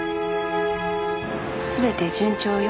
全て順調よ。